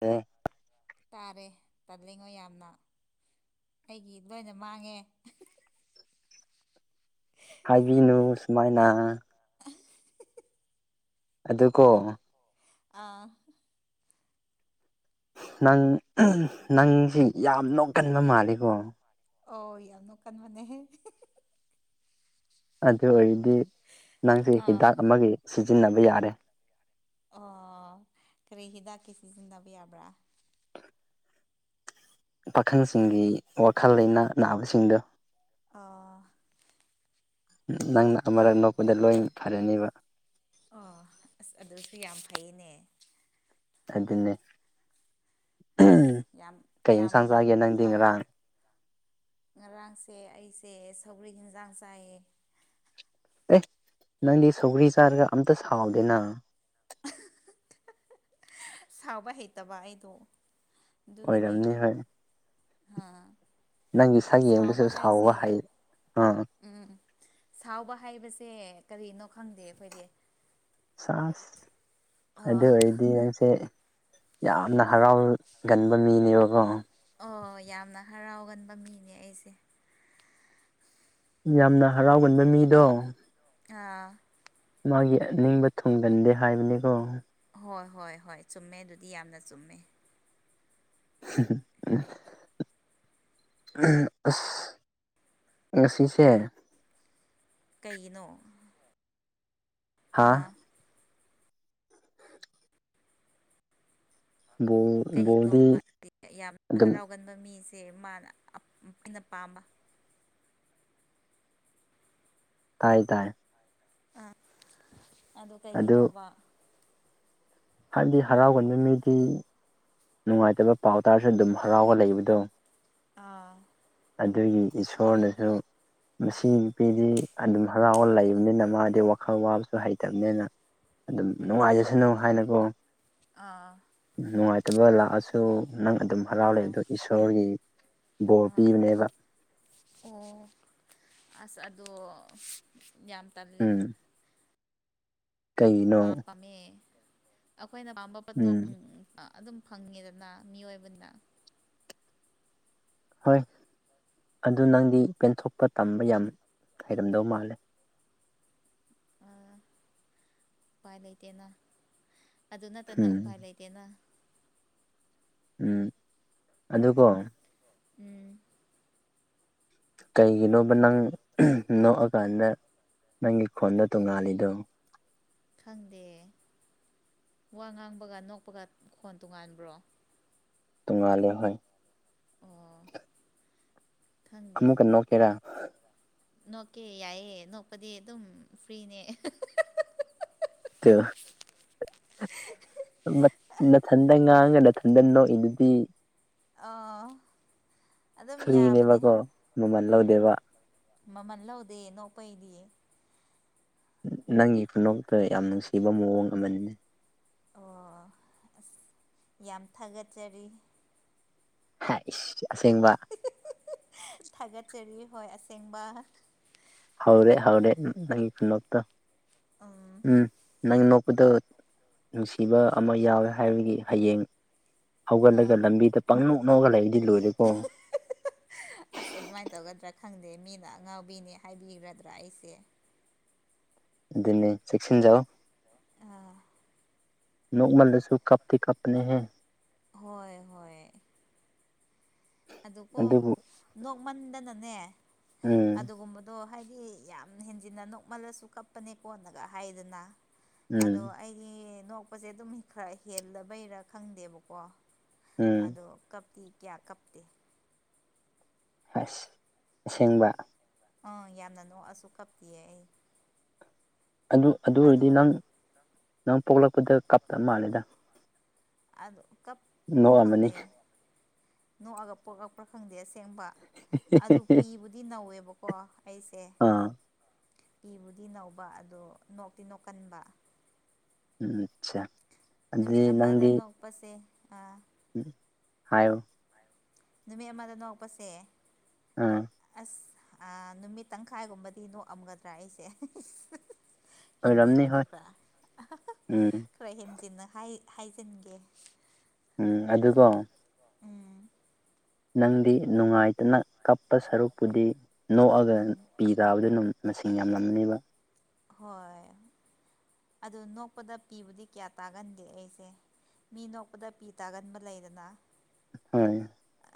ꯍ [unintelligible] ꯇꯥꯔꯦ ꯇꯥꯂꯤꯉꯣ ꯌꯥꯝꯅ ꯑꯩꯒꯤ ꯂꯣꯏꯅ ꯃꯥꯡꯉꯦ ꯍꯥꯏꯕꯤꯅꯨ ꯁꯨꯃꯥꯏꯅ ꯑꯗꯨꯀꯣ ꯑꯥ ꯅꯪ ꯅꯪꯁꯤ ꯌꯥꯝ ꯅꯣꯛꯀꯟꯕ ꯃꯥꯜꯂꯤꯀꯣ ꯑꫭ ꯌꯥꯝꯅꯀꯥꯟꯕꯅꯦ ꯑꯗꯨ ꯑꯣꯏꯔꯗꯤ ꯅꯪꯁꯦ ꯑꯥ ꯍꯤꯗꯥꯛ ꯑꯃꯒꯤ ꯁꯤꯖꯤꯟꯅꯕ ꯌꯥꯔꯦ ꯑꯣ ꯀꯔꯤ ꯍꯤꯗꯥꯛꯀꯤ ꯁꯤꯖꯤꯟꯅꯟꯅꯕ ꯌꯥꯕ꯭ꯔꯥ ꯄꯥꯈꯪꯁꯤꯡꯒꯤ ꯋꯥꯈꯜ ꯂꯩꯅꯥ ꯅꯥꯕꯁꯤꯡꯗꫭ ꯑꯥ ꯅꯪꯅ ꯑꯃꯔꯛ ꯅꯣꯛꯄꯗ ꯂꯣꯏ ꯐꯔꯅꯤꯕ ꯑꯣ ꯑꯁ ꯑꯗꯨꯁꯨ ꯌꯥꯝ ꯐꯩꯅꯦ ꯑꯗꯨꯅꯦ ꯑꯁ ꯌꯥꯝ ꯀꯩ ꯌꯥꯝ ꯌꯦꯟꯁꯥꯡ ꯆꯥꯒꯦ ꯅꯪꯗꯤ ꯐ ꯉꯔꯥꯡ ꯉꯔꯥꯡꯁꯦ ꯑꯩꯁꯦ ꯁꯧꯒ꯭ꯔꯤ ꯌꯦꯟꯁꯥꯡ ꯆꯥꯏꯌꯦ ꯑꯦ ꯅꯪꯗꯤ ꯁꯧꯒ꯭ꯔꯤ ꯆꯥꯔꯒ ꯑꯝꯇ ꯁꯥꯎꯗꯦꯅ ꯁꯥꯎꯕ ꯍꯩꯇꯕ ꯑꯩꯗꯣ ꯑꯣꯏꯔꯝꯅꯤ ꯍꯣꯏ ꯍꯥꯥ ꯅꯪꯒꯤ ꯏꯁꯥ ꯌꯦꯡꯕꯁꯨ ꯁꯥꯎꯕ ꯍꯥꯏ ꯑꯥ ꯁꯦ ꯀꯔꯤꯅꯣ ꯈꯪꯗꯦ ꯑꯩꯈꯣꯏꯗꯤ ꯆꯁ ꯑꯗꯨ ꯑꯥ ꯑꯣꯏꯔꯗꯤ ꯅꯪꯁꯦ ꯌꯥꯝꯅ ꯍꯔꯥꯎꯒꯟꯕ ꯃꯤꯅꯦꯕꯀꯣ ꯑꯣ ꯌꯥꯝꯅ ꯍꯔꯥꯎꯒꯟꯕ ꯃꯤꯅꯦ ꯑꯩꯁꯦ ꯌꯥꯝꯅ ꯍꯔꯥꯎꯒꯟꯕ ꯃꯤꯗꯣ ꯑꯥ ꯃꯥꯒꯤ ꯑꯅꯤꯡꯕ ꯊꯨꯡꯒꯟꯗꯦ ꯍꯥꯏꯕꯅꯤꯀꯣ ꯍꯣꯏ ꯍꯣꯏ ꯍꯣꯏ ꯆꯨꯝꯃꯦ ꯑꯗꯨꯗꯤ ꯌꯥꯝꯅ ꯆꯨꯝꯃꯦ [unintelligible] ꯑꯁ ꯉꯁꯤꯁꯦ ꯀꯩꯅꯣ ꯑꯥ ꯍꯥ ꯕꯣꯜ ꯀꯔꯤꯅꯣ ꯕꯣꯜꯗꯤ ꯌꯥꯝꯅ ꯑꯗꯨꯝ ꯍꯔꯥꯎꯒꯟꯕ ꯃꯤꯁꯦ ꯁꯦ ꯃꯥꯅ ꯑꯩꯅ ꯄꯥꯝꯕ ꯇꯥꯏ ꯇꯥꯏ ꯑ ꯑꯗꯨ ꯀꯩꯒꯤꯅꯣꯕ ꯍꯥꯏꯕꯗꯤ ꯍꯔꯥꯎꯒꯟꯕ ꯃꯤꯗꯤ ꯅꯨꯡꯉꯥꯏꯇꯕ ꯄꯥꯎ ꯇꯥꯔꯁꯨ ꯑꯗꯨꯝ ꯍꯔꯥꯎꯒ ꯂꯩꯕꯗꯣ ꯑꯥ ꯑꯗꯨꯒꯤ ꯏꯁꯣꯔꯅꯁꯨ ꯃꯁꯤ ꯅꯨꯄꯤꯗꯤ ꯑꯗꯨꯝ ꯍꯔꯥꯎꯕ ꯂꯩꯕꯅꯤꯅ ꯃꯥꯗꯤ ꯋꯥꯈꯜ ꯋꯥꯕꯁꯨ ꯍꯩꯇꯕꯅꯤꯅ ꯑꯗꯨꯝ ꯎꯝ ꯅꯨꯡꯉꯥꯏꯖꯁꯅꯨ ꯍꯥꯏꯅꯀꯣ ꯑꯥ ꯅꯨꯡꯉꯥꯏꯇꯕ ꯂꯥꯛꯑꯁꯨ ꯅꯪ ꯑꯗꯨꯝ ꯍꯔꯥꯎ ꯂꯩ ꯑꯥ ꯑꯗ ꯏꯁꯣꯔꯒꯤ ꯕꯣꯔ ꯑꯥ ꯄꯤꯕꯅꯦꯕ ꯑꯣ ꯑꯁ ꯑꯗꯣ ꯌꯥꯝ ꯇꯜꯂꯦ ꯎꯝ ꯀꯩꯒꯤꯅꯣ ꯄꯝ ꯄꯝꯃꯦ ꯑꯩꯈꯣꯏꯅ ꯄꯥꯝꯕ ꯄꯣꯠꯇꯣ ꯎꯝ ꯑꯗꯨꯝ ꯐꯪꯉꯦꯗꯅ ꯃꯤꯑꯣꯏꯕꯅ ꯍꯣꯏ ꯑꯗꯨ ꯅꯪꯗꯤ ꯄꯦꯟꯊꯣꯛꯄ ꯇꯝꯕ ꯌꯥꯝ ꯍꯔꯝꯗꯧ ꯃꯥꯜꯂꯦ ꯄꯥꯏ ꯂꯩꯇꯅ ꯑꯗꯨ ꯅꯠꯇꯅ ꯎꯝ ꯎꯄꯥꯏ ꯂꯩꯇꯦꯅ ꯎꯝ ꯑꯗꯨꯒꯣ ꯎꯝ ꯀꯩꯒꯤꯅꯣꯕ ꯅꯪ ꯅꯣꯛꯑꯀꯥꯟꯗ ꯅꯪꯒꯤ ꯈꯣꯟꯗ ꯇꯣꯡꯉꯥꯜꯂꯤꯗꯣ ꯈꯪꯗꯦ ꯋꯥ ꯉꯥꯡꯕꯒ ꯅꯣꯛꯄꯒ ꯈꯣꯟ ꯇꯣꯉꯥꯟꯕ꯭ꯔꯣ ꯇꯉꯂꯦ ꯍ ꯑꯣ ꯈꯪꯗꯦ ꯑꯃꯃꯨꯀ ꯅꯣ ꯀꯦꯔꯥ ꯅꯣꯛꯀꯦ ꯌꯥꯏꯑꯦ ꯅꯣꯛꯄꯗꯤ ꯑꯗꯨꯝ ꯐ꯭ꯔꯤꯅꯦ ꯊꯗ ꯉꯥꯡ ꯊꯟꯗꯅꯣ ꯏꯗꯨꯗꯤ ꯑꯥ ꯑꯗꯨꯝ ꯌꯥꯕꯅꯦ ꯐ꯭ꯔꯤꯅꯦꯕꯀꯣ ꯃꯃꯜ ꯎꯝ ꯂꯧꯗꯦꯕ ꯃ ꯃꯟꯂ ꯍꯧꯗ ꯅꯧ ꯄꯩꯗꯤ ꯅꯪꯒꯤ ꯈꯨꯅꯇ ꯌꯥꯝ ꯅꯨꯡꯁꯤꯕ ꯃꯑꯣꯡ ꯑꯃꯅꯤꯅꯦ ꯑꯣ ꯑꯁ ꯌꯥꯝ ꯊꯥꯒꯠꯆꯔꯤ ꯍꯥ ꯏꯁ ꯊꯥꯒꯠꯆꯔꯤ ꯍꯣꯏ ꯑꯁꯦꯡꯕ ꯍꯥꯎꯔꯦ ꯍꯧꯥꯎꯔꯦ ꯅꯪꯅꯇ ꯎꯝ ꯅꯪ ꯗ ꯅꯨꯡꯁꯤꯕ ꯑꯃ ꯌꯥꯎꯋꯦ ꯍꯥꯏꯕꯒꯤ ꯍꯌꯦꯡ ꯍꯥ ꯍꯧꯒꯠꯂꯒ ꯂꯝꯕꯤꯗ ꯄꯪ ꯅꯣꯛꯅꯣꯛꯒ ꯂꯩꯕꯗꯤ ꯂꯣꯏꯔꯦꯀꯣ ꯑꯁ ꯑꯗꯨꯃꯥꯏꯅ ꯇꯧꯒꯗ꯭ꯔꯥ ꯈꯪꯗꯦ ꯃꯤꯅ ꯑꯉꯥꯎꯕꯤꯅꯦ ꯍꯥꯏꯕꯤꯒ꯭ꯔꯗ꯭ꯔꯥ ꯑꯩꯁꯦ ꯑꯗꯨꯅꯤ ꯆꯦꯛꯁꯤꯟꯖꯎ ꯑꯥ ꯅꯀꯃꯜ ꯔꯁꯨꯣ ꯀꯞ ꯊ ꯀꯞꯅꯦ ꯍ ꯍꯣꯏ ꯍꯣꯏ ꯑꯗꯨꯀꯣ ꯑꯗꯨꯕꯨ ꯅꯣꯛꯃꯟꯗꯅꯅꯦ ꯎꯝ ꯑꯗꯨꯒꯨꯝꯕꯗꯣ ꯍꯥꯏꯗꯤ ꯁꯤ ꯌꯥꯝ ꯍꯦꯟꯖꯤꯟꯅ ꯅꯣꯛꯃꯜꯂꯁꯨ ꯀꯞꯄꯅꯦ ꯀꯣꯟꯅꯒ ꯍꯥꯏꯗꯅ ꯎꯝ ꯑꯗꯣ ꯑꯩꯒꯤ ꯅꯣꯛꯄꯁꯦ ꯑꯗꯨꯝ ꯈꯔ ꯍꯦꯜꯂꯕꯩꯔ ꯈꯪꯗꯦꯕꯀꯣ ꯎꯝ ꯑꯗꯣ ꯀꯞꯇ ꯀꯌꯥ ꯀꯞꯇꯦ ꯑꯁ ꯑꯁꯦꯡꯕ ꯑꯥ ꯌꯥꯝꯅ ꯅꯣꯛꯑꯁꯨ ꯀꯞꯄꯤꯌꯦ ꯑꯩ ꯑꯗꯨ ꯑꯗꯨ ꯑꯗꯣ ꯑꯣꯏꯔꯗꯤ ꯅꯪ ꯅꯪ ꯄꯣꯛꯂꯛꯄꯗ ꯀꯞꯇ ꯃꯥꯜꯂꯦꯗ ꯑ ꯀꯞ ꯅꯣꯛꯑꯝꯃꯅꯤ ꯈꯪꯗꯦ ꯅꯣꯛꯑꯒ ꯄꯣꯛꯂꯛꯄ꯭ꯔꯥ ꯈꯪꯗꯦꯁ ꯑꯁꯦꯡꯕ ꯑꯗꯨ ꯄꯤꯕꯨꯗꯤ ꯅꯧꯋꯦꯕꯀꯣ ꯑꯩꯁꯦ ꯑꯥ ꯏꯤꯕꯨꯗꯤ ꯅꯧꯕ ꯑꯗꯣ ꯅꯣꯛꯇꯤ ꯅꯣꯛꯀꯟꯕ ꯎꯝ ꯑꯆꯥ ꯅꯨꯃꯤꯠ ꯑꯃꯗ ꯅꯣꯛꯄꯁꯦ ꯑꯥ ꯍꯥꯏꯌ‌ꯣ ꯅꯨꯃꯤꯠ ꯑꯃꯗ ꯅꯣꯛꯄꯁꯦ ꯑꯥ ꯑꯁ ꯅꯨꯃꯤꯠ ꯇꯪꯈꯥꯏꯒꯨꯝꯕꯗꯤ ꯅꯣꯛꯑꯝꯒꯗ꯭ꯔꯥ ꯑꯩꯁꯦ ꯑꯣꯏꯔꯝꯅꯤ ꯍꯦꯟꯖꯤꯟꯕꯗꯣ ꯍꯣꯏ ꯈꯔ ꯎꯝ ꯈꯔ ꯍꯦꯟꯖꯤꯟꯅ ꯍꯥꯏꯖꯤꯟꯒꯦ ꯎꯝ ꯑꯗꯨꯒꯣ ꯎꯝ ꯅꯪꯗꯤ ꯅꯨꯡꯉꯥꯏꯇꯅ ꯀꯞꯄ ꯁꯔꯨꯛꯄꯨꯗꯤ ꯅꯣꯛꯑꯒ ꯎꯝ ꯄꯤ ꯇꯕꯗꯨꯅ ꯃꯁꯤꯡ ꯌꯥꯝꯂꯝꯅꯤꯕ ꯍꯣꯏ ꯑꯗꯨ ꯅꯣꯛꯄꯗ ꯄꯤꯕꯨꯗꯤ ꯀꯌꯥ ꯇꯥꯒꯟꯗꯦ ꯑꯩꯁꯦ ꯃꯤ ꯅꯣꯛꯄꯗ ꯄꯤ ꯇꯥꯒꯟꯕ ꯂꯩꯗꯅ ꯍꯣꯏ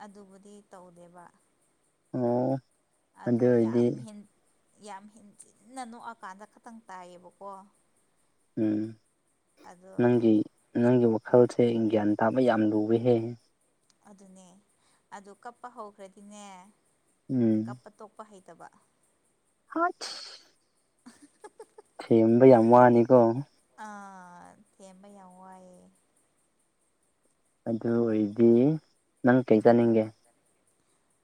ꯑꯗꯨꯕꯨꯗꯤ ꯇꯧꯗꯦꯕ ꯑꯣ ꯑꯗꯨ ꯑꯗꯣ ꯑꯣꯏꯔꯗꯤ ꯌꯥꯝ ꯍ‌ꯦꯟ ꯌꯥꯝ ꯍꯤꯟꯖꯤꯟꯅ ꯅꯣꯛꯑꯀꯥꯟꯗ ꯈꯇꯪ ꯇꯥꯏꯌꯦꯕꯀꯣ ꯎꯝ ꯑꯗꯣ ꯅꯪꯒꯤ ꯅꯪꯒꯤ ꯋꯥꯈꯥꯜꯁꯦ ꯒ꯭ꯌꯥꯟ ꯇꯥꯕ ꯌꯥꯝ ꯂꯨꯋꯦꯍꯦ ꯑꯗꯨꯅꯦ ꯑꯗꯨ ꯀꯞꯄ ꯍꯧꯈ꯭ꯔꯗꯤꯅꯦ ꯀꯞꯄ ꯇꯣꯛꯄ ꯍꯩꯇ ꯇꯕ ꯍꯠ ꯊ‌ꯦꯝꯕ ꯌꯥꯝ ꯋꯥꯅꯤꯀꯣ ꯑ ꯊꯦꯝꯕ ꯌꯥ ꯋꯥꯑꯦ ꯑꯗꯨ ꯑꯣꯏꯔꯗꯤ ꯅꯪ ꯀꯩ ꯎꯝ ꯆꯥꯅꯤꯡꯒꯦ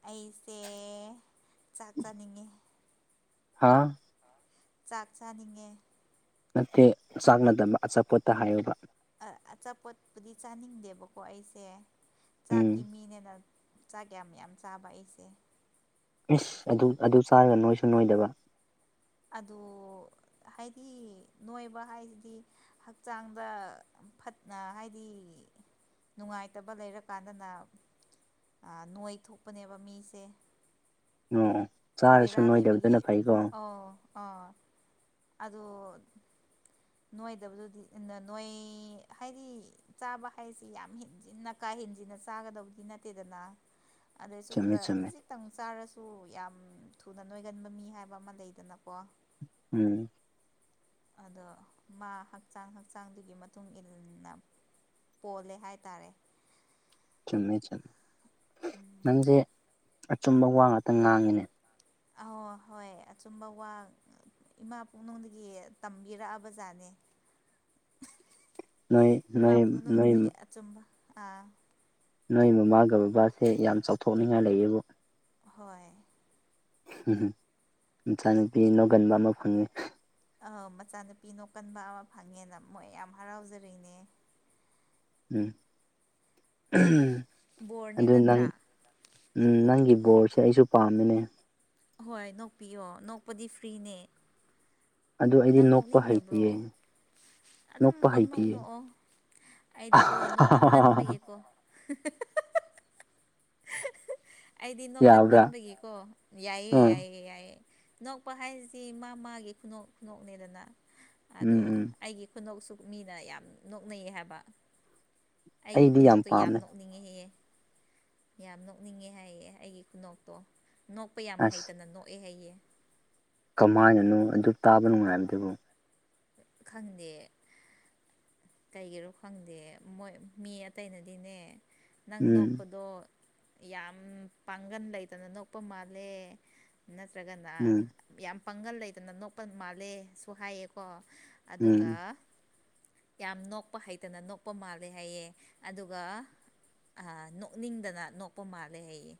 ꯑꯩꯁꯦ ꯆꯥꯛ ꯆꯥꯅꯤꯡꯉꯤ ꯍꯥꯥ ꯆꯥꯛ ꯆꯥꯅꯤꯡꯉꯦ ꯅꯠꯇꯦ ꯆꯥꯛꯅꯗꯕ ꯑꯆꯥꯄꯣꯠꯇ ꯍꯥꯏꯌꯨꯕ ꯑꯆꯥꯄꯣꯠꯄꯨꯗꯤ ꯆꯥꯅꯤꯡꯗꯦꯕꯀꯣ ꯑꯩꯁꯦ ꯆꯥꯛꯀꯤ ꯎꯝ ꯃꯤꯅꯦꯅ ꯆꯥꯛ ꯀꯌꯥꯝ ꯌꯥꯝ ꯆꯥꯕ ꯑꯩꯁꯦ ꯏꯁ ꯑꯗꯨ ꯑꯗꯨ ꯆꯥꯔꯒ ꯅꯣꯏꯁꯨ ꯅꯣꯏꯗꯕ ꯑꯗꯨ ꯍꯥꯏꯗꯤ ꯅꯣꯏꯕ ꯍꯥꯏꯁꯤꯗꯤ ꯍꯛꯆꯥꯡꯗ ꯐꯠꯅ ꯍꯥꯏꯗꯤ ꯅꯨꯡꯉꯥꯏꯇꯕ ꯂꯩꯔꯀꯥꯟꯗꯅ ꯅꯣꯏ ꯊꯣꯛꯄꯅꯦꯕ ꯃꯤꯁꯦ ꯑꯣꯑꯣ ꯆꯥꯔꯁꯨ ꯕꯦꯔꯥ ꯂꯩꯕꯒꯤ ꯅꯣꯏꯗꯕꯗꯅ ꯐꯩꯀꯣ ꯑꯗꯨꯣ ꯅꯣꯏꯗꯕꯗꯨꯗꯤ ꯅꯣꯏ ꯍꯥꯏꯗꯤ ꯆꯥꯕ ꯍꯥꯏꯁꯤ ꯌꯥꯝ ꯍꯤꯟꯖꯤꯟꯅ ꯀꯥꯏꯩ ꯆ ꯆꯨꯝꯃꯦ ꯆꯨꯝꯃꯦ ꯈ ꯁꯨ ꯌꯥꯝ ꯊꯨꯅ ꯅꯣꯏꯒꯟꯕ ꯃꯤ ꯍꯥꯏꯕ ꯑꯃ ꯂꯩꯗꯅꯀꯣ ꯎꯝ ꯑꯗꯣ ꯃꯥ ꯍꯛꯆꯥꯡ ꯍꯛꯆꯥꯡꯗꯨꯒꯤ ꯃꯇꯨꯡ ꯏꯟꯅ ꯄꯣꯜꯂꯦ ꯍꯥꯏ ꯇꯔꯦ ꯆꯨꯝꯃꯦ ꯆꯨꯝꯃꯦ ꯅꯪꯁꯦ ꯑꯆꯨꯝꯕ ꯋꯥ ꯉꯥꯛꯇ ꯉꯥꯡꯉꯤꯅꯦ ꯑ ꯍꯣꯏ ꯑꯆꯨꯝꯕ ꯋꯥ ꯏꯃꯥ ꯄꯨꯛꯅꯨꯡꯗꯒꯤ ꯇꯝꯕꯤꯔꯛꯑꯕ ꯖꯥꯠꯅꯦ [inaudible] ꯑꯆꯨꯝꯕ ꯑꯥ ꯅꯣꯏ ꯃꯃꯥꯒ ꯕꯕꯥꯁꯦ ꯌꯥꯝ ꯆꯥꯎꯊꯣꯛꯅꯤꯡꯉꯥꯏ ꯂꯩꯌꯦꯕꯨ ꯍꯣꯏ ꯎꯝ ꯏꯆꯥ ꯅꯨꯨꯄꯤ ꯅꯣꯡꯒꯟꯕ ꯑꯃ ꯐꯪꯉꯦ ꯃꯆꯥꯅꯨꯄꯤꯅꯣ ꯀꯟꯕ ꯑꯃ ꯐꯪꯉꯦꯅ ꯃꯣꯏ ꯌꯥꯝ ꯍꯔꯥꯎꯖꯔꯤꯅꯦ ꯎꯝ ꯕꯣꯔꯅꯦ ꯑꯗꯨ ꯅꯪ ꯅꯠꯇ꯭ꯔꯥ ꯎꯝ ꯅꯪꯒꯤ ꯐꯨꯠ ꯕꯣꯔꯁꯦ ꯑꯩꯁꯨ ꯄꯥꯝꯃꯤꯅꯦ ꯍꯣꯏ ꯅꯣꯛꯄꯤꯌꯣ ꯅꯣꯛꯄꯗꯤ ꯐ꯭ꯔꯤꯅꯦ ꯑꯗꯨ ꯑꯩꯗꯤ ꯅꯪ ꯅꯣꯛꯄ ꯍꯩꯇꯌꯦ ꯅꯣꯛꯅꯤꯡꯗꯕ꯭ꯔꯣ ꯑꯗꯨꯝ ꯄꯥꯡꯅꯧꯅꯣꯛꯑꯣ ꯑꯩꯗꯤꯀꯣ ꯅꯣꯛ ꯀꯟꯃꯟꯕꯒꯤꯀꯣ ꯑꯩꯗꯤ ꯅꯣꯛꯀꯟ ꯌꯥꯕ꯭ꯔꯥ ꯃꯟꯕꯒꯤꯀꯣ ꯌꯥꯏꯌꯦ ꯎꯝ ꯌꯥꯏꯌꯦ ꯌꯥꯏꯌꯦ ꯅꯣꯛꯄ ꯍꯥꯏꯁꯤ ꯃꯥ ꯃꯥꯒꯤ ꯈꯨꯅꯣꯛ ꯈꯨꯅꯣꯛꯅꯦꯗꯅ ꯑꯗꯣ ꯎꯝ ꯎꯝ ꯑꯩꯒꯤ ꯈꯨꯅꯧꯁꯨ ꯃꯤꯅ ꯌꯥꯝ ꯅꯣꯛꯅꯩ ꯍꯥꯏꯕ ꯑꯩꯒꯤ ꯑꯩꯗꯤ ꯈꯨꯅꯣꯛꯇꯨ ꯌꯥꯝ ꯄꯥꯝꯃꯦ ꯅꯣꯛꯅꯤꯡꯉꯦꯍꯍꯦ ꯌꯥꯝ ꯅꯣꯛꯅꯤꯡꯉꯦ ꯍꯥꯏꯌꯦꯦ ꯑꯩꯒꯤ ꯈꯨꯅꯣꯛꯇꯣ ꯅꯣꯛꯄ ꯌꯥꯝ ꯑꯁ ꯍꯩꯇꯅ ꯅꯣꯛꯑꯦ ꯍꯥꯏꯌꯦꯦ ꯀꯃꯥꯏꯅꯅꯣ ꯑꯗꯨ ꯇꯥꯕ ꯅꯨꯡꯉꯥꯏꯕꯗꯨꯕꯨ ꯈꯪꯗꯦ ꯀꯩꯒꯤꯔꯣ ꯈꯪꯗꯦ ꯃꯣꯏ ꯃꯤ ꯑꯇꯩꯅꯗꯤꯅꯦ ꯅꯪ ꯎꯝ ꯅꯣꯛꯄꯗꯣ ꯌꯥꯝ ꯄꯥꯡꯒꯟ ꯂꯩꯇꯅꯅꯣꯄ ꯃꯥꯂꯦ ꯅꯠꯇ꯭ꯔꯒꯅ ꯎꯝ ꯌꯥꯝ ꯄꯪꯒꯜ ꯂꯩꯗꯅ ꯅꯣꯛꯄ ꯃꯥꯜꯂꯦꯁꯨ ꯍꯥꯏꯌꯦꯀꯣ ꯎꯝ ꯑꯗꯨꯒ ꯌꯥꯝ ꯅꯣꯛꯄ ꯍꯩꯇꯅ ꯅꯣꯛꯄ ꯃꯥꯜꯂꯦ ꯍꯥꯏꯌꯦꯦ ꯑꯗꯨꯒ ꯑ ꯅꯣꯛꯅꯤꯡꯗꯅ ꯅꯣꯛꯄ ꯃꯥꯜꯂꯦ ꯑꯩꯌꯦ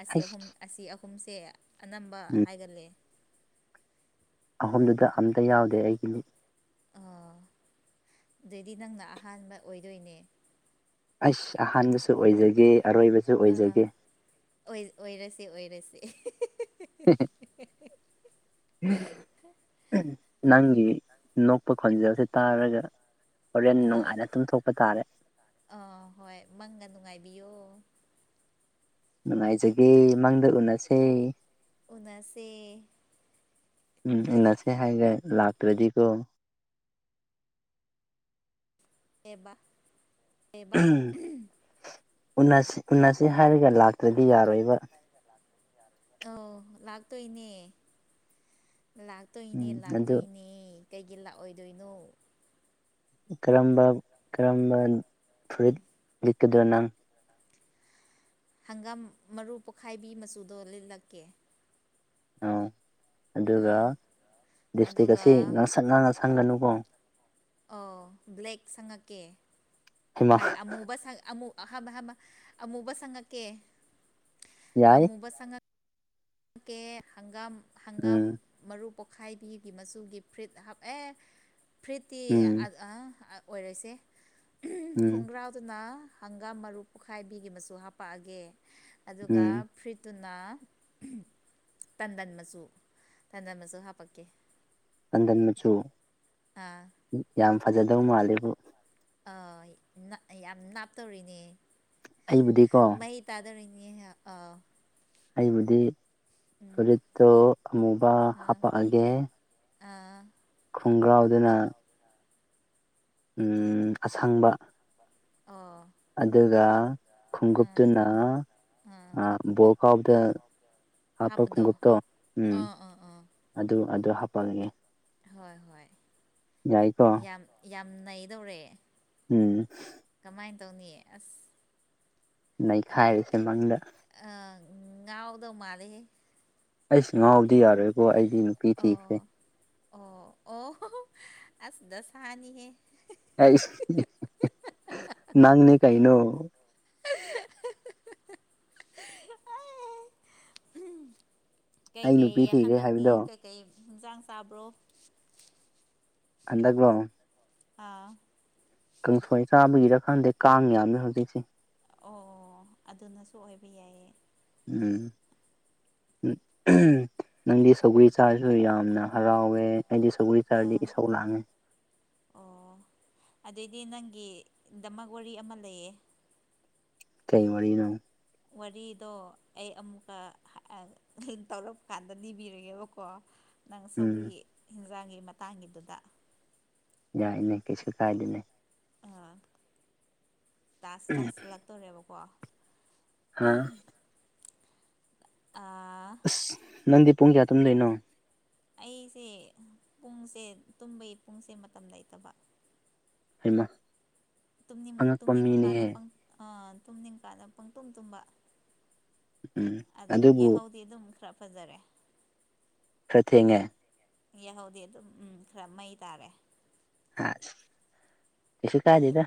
ꯑꯁꯤ ꯑꯍꯨꯝ ꯑꯩꯁ ꯑꯁꯤ ꯑꯍꯨꯝꯁꯦ ꯑꯅꯝꯕ ꯎꯝ ꯍꯥꯏꯒꯂꯦ ꯑꯍꯨꯝꯗꯨꯗ ꯑꯝꯇ ꯌꯥꯎꯗꯦ ꯑꯩꯒꯤ ꯂꯤꯠ ꯑꯣ ꯑꯗꯨꯏꯗꯤ ꯅꯪꯅ ꯑꯍꯥꯟꯕ ꯑꯣꯏꯗꯣꯏꯅꯦ ꯑꯩꯁ ꯑꯍꯥꯟꯕꯁꯨ ꯑꯣꯏꯖꯒꯦ ꯑꯔꯣꯏꯕꯁꯨ ꯑꯥ ꯑꯣꯏꯖꯒꯦ ꯑꯣꯏꯔꯁꯦ ꯑꯍꯦꯍꯦꯍꯦ ꯑꯝꯍꯝ ꯅꯪꯒꯤ ꯅꯣꯛꯄ ꯈꯣꯟꯖꯦꯜꯁꯦ ꯇꯥꯔꯒ ꯍꯣꯔꯦꯟ ꯑꯥ ꯅꯨꯡꯉꯥꯏꯅ ꯇꯨꯝꯊꯣꯛꯄ ꯇꯥꯔꯦ ꯑꯟꯑꯣꯗꯤꯕꯜ ꯅꯨꯡꯉꯥꯏꯖꯒꯦ ꯃꯪꯗ ꯎꯅꯁꯦ ꯎꯅꯁꯦ ꯎꯝ ꯎꯟꯅꯁꯦ ꯍꯥꯏꯒꯦ ꯂꯥꯛꯇ꯭ꯔꯗꯤꯀꯣ ꯀꯩꯕ ꯀꯩꯕ ꯑꯝꯍꯝ ꯎꯟꯅꯁꯤ ꯎꯟꯅꯁꯤ ꯍꯥꯏꯔꯒ ꯂꯥꯛꯇ꯭ꯔꯗꯤ ꯌꯥꯔꯣꯏꯕ ꯑꯣ ꯂꯥꯛꯇꯣꯏꯅꯦ ꯂꯥꯛꯇꯣꯏꯅꯦ ꯎꯝ ꯑꯗꯨ ꯂꯥꯛꯇꯣꯏꯅꯦ ꯀꯩꯒꯤ ꯂꯥꯛꯑꯣꯏꯗꯣꯏꯅꯣ ꯀꯔꯝꯕ ꯀꯔꯝꯕ ꯐꯨꯔꯤꯠ ꯂꯤꯠꯀꯗꯣꯏꯅꯪ ꯍꯪꯒꯥꯝ ꯃꯔꯨ ꯄꯣꯛꯈꯥꯏꯕꯤ ꯃꯆꯨꯗꯣ ꯂꯤꯠꯂꯛꯀꯦ ꯑ ꯑꯗꯨꯒ ꯑꯥ ꯑꯗꯨꯒ ꯂꯤꯞꯇꯤꯀꯁꯤ ꯉꯥꯡꯁꯛ ꯉꯥꯡꯉ ꯁꯪꯒꯅꯨꯀꯣ ꯑꯣ ꯕ꯭ꯂꯦꯛ ꯁꯪꯉꯛꯀꯦ ꯍꯩꯃꯥ ꯑꯩ ꯑꯃꯨꯕꯨ ꯁꯪ ꯑꯃꯨ ꯑꯍꯥꯟꯕ ꯍꯥꯟꯕ ꯑꯃꯨꯕ ꯁꯪꯉꯛꯀꯦ ꯌꯥꯏ ꯑꯃꯨꯕ ꯁꯪꯉꯛ ꯀꯦ ꯍꯪꯒꯥꯝ ꯍꯪꯒꯥꯝ ꯎꯝ ꯃꯔꯨ ꯄꯣꯛꯈꯥꯏꯕꯤꯒꯤ ꯃꯆꯨꯒꯤ ꯐꯨꯔꯤꯠ ꯍꯥꯞ ꯑꯦ ꯐꯨꯔꯤꯠꯇꯤ ꯎꯝ ꯑꯍ ꯑꯣꯏꯔꯁꯦ ꯑꯝꯍꯝ ꯎꯝ ꯈꯣꯡꯒ꯭ꯔꯥꯎꯗꯨꯅ ꯍꯪꯒꯥꯝ ꯃꯔꯨ ꯄꯨꯣꯛꯈꯥꯏꯕꯤꯒꯤ ꯃꯆꯨ ꯍꯥꯄꯛꯑꯒꯦ ꯑꯗꯨꯒ ꯎꯝ ꯐ꯭ꯔꯤꯠꯇꯨꯅ ꯇꯟꯗꯟ ꯃꯆꯨ ꯇꯟꯗꯟ ꯃꯆꯨ ꯍꯥꯄꯛꯀꯦ ꯇꯟꯗꯟ ꯃꯆꯨ ꯌꯥꯝ ꯐꯖꯗꯧ ꯃꯥꯂꯦꯕꯨ ꯑ ꯌꯥꯝ ꯅ ꯅꯥꯞꯇꯧꯔꯤꯅꯦ ꯑꯩꯕꯨꯗꯤꯀꯣ ꯃꯍꯩ ꯇꯥꯗꯧꯔꯤꯅꯤ ꯍ ꯑꯥ ꯑꯩꯕꯨꯗꯤ ꯎꯝ ꯐꯨꯔꯤꯠꯇꯣ ꯑꯃꯨꯕ ꯑꯥ ꯍꯥꯄꯛꯑꯒꯦ ꯑꯥ ꯈꯣꯡꯒ꯭ꯔꯥꯎꯗꯅ ꯎ ꯑꯁꯪꯕ ꯑ ꯑꯗꯨꯒ ꯈꯣꯡꯎꯞꯇꯨꯅ ꯑꯥ ꯕꯣꯜ ꯀꯥꯎꯕꯗ ꯍꯥꯞꯄ ꯍꯥꯞꯄꯗꯣ ꯈꯣꯡꯎꯞꯇꯣ ꯎꯝ ꯑꯥ ꯑꯥ ꯑꯥ ꯑꯗꯨ ꯑꯗꯨ ꯍꯥꯞꯄꯛꯒꯦ ꯍꯣꯏ ꯍꯣꯏ ꯌꯥꯏꯀꯣ ꯌꯥꯝ ꯌꯥꯝ ꯅꯩꯗꯧꯔꯦ ꯎꯝ ꯀꯃꯥꯏꯅ ꯇꯧꯅꯤꯌꯦ ꯑꯁ ꯅꯩꯈꯥꯏꯔꯤꯁꯦ ꯃꯪꯗ ꯑ ꯉ ꯑꯣꯗꯣ ꯃꯥꯗꯦ ꯑꯩ ꯁꯤ ꯉꯥꯎꯕꯗꯤ ꯌꯥꯔꯣꯏꯀꯣ ꯑꯩꯗꯤ ꯅꯨꯄꯤ ꯊꯤꯈ꯭ꯔꯦ ꯑꯣ ꯑꯣ ꯑꯣ ꯑꯁ ꯗ ꯁꯍꯥꯅꯤ ꯍꯦ ꯑꯩ ꯅꯪꯅꯦ ꯀꯥꯏꯅꯣ ꯑꯩ ꯀꯩꯀꯩ ꯅꯨꯄꯤ ꯊꯤꯔꯦ ꯍꯟꯗꯛꯇꯤ ꯍꯥꯏꯕꯗꯣ ꯀꯩꯀꯩ ꯍꯟꯁꯥꯡ ꯆꯥꯕ꯭ꯔꯣ ꯍꯟꯗꯒꯂꯣ ꯑꯥ ꯀꯥꯡꯁꯋꯥꯏ ꯆꯥꯕꯒꯤꯔꯀꯥꯟꯗꯦ ꯀꯥꯡ ꯌꯥꯝꯃꯦ ꯍꯧꯖꯤꯛꯁꯦ ꯑꯣ ꯑꯣ ꯑꯗꯨꯅꯁꯨ ꯑꯣꯏꯕ ꯌꯥꯏꯌꯦ ꯎꯝ ꯅꯪꯗꯤ ꯁꯧꯒ꯭ꯔꯤ ꯆꯥꯔꯁꯨ ꯌꯥꯝꯅ ꯍꯔꯥꯎꯋꯦ ꯁꯒ ꯇ ꯑꯥ ꯁꯂꯥꯛꯅꯦ ꯒꯤ ꯗꯃꯛ ꯋꯥꯔꯤ ꯑꯃ ꯂꯩꯌꯦ ꯀꯩ ꯋꯥꯔꯤꯅ ꯋꯥꯔꯤꯗꯣ ꯑꯩ ꯑꯃꯨꯛꯀ ꯇꯧꯔꯛꯄ ꯀꯥꯟꯗ ꯅꯤꯕꯤꯔꯒꯦꯕꯀꯣ ꯅꯪ ꯎꯝ ꯁꯧꯒꯤ ꯍꯤꯟꯖꯥꯡꯒꯤ ꯃꯇꯥꯡꯒꯤꯗꯨꯗ ꯌꯥꯏꯅ ꯀꯩꯁꯨ ꯀꯥꯏꯗꯅꯦ ꯑꯥ ꯇꯥꯁ ꯇꯥꯁ ꯂꯥꯛꯠꯇꯣꯔꯦꯕꯀꯣ ꯍꯥꯥ ꯑꯥ ꯑꯁ ꯅꯪꯗꯤ ꯄꯨꯡ ꯀꯌꯥ ꯇꯨꯝꯗꯣꯏꯅꯣ ꯑꯩꯁꯦ ꯄꯨꯡꯁꯦ ꯇꯨꯝꯕꯩ ꯄꯨꯡꯁꯦ ꯃꯇꯝ ꯂꯩꯇꯕ ꯍꯃ ꯅꯤꯡ ꯇꯨꯝꯅꯤꯡꯕ ꯀꯥꯟꯗꯥ ꯇꯨꯝꯅꯤꯡꯕ ꯀꯥꯟꯗ ꯄꯪ ꯇꯨꯝ ꯇꯨꯝꯕ ꯎꯝ ꯑꯗꯨ ꯑꯗꯨꯕꯨ ꯌꯥꯍꯧꯗꯤ ꯑꯗꯨꯝ ꯈꯔ ꯐꯖꯔꯦ ꯈꯔ ꯊꯦꯡꯉꯦ ꯌꯥꯍꯧꯗꯤ ꯑꯗꯨꯝ ꯎꯝ ꯈꯔ ꯃꯩ ꯇꯥꯔꯦ ꯍꯥ ꯀꯁꯨ ꯀꯥꯏꯗꯦꯗ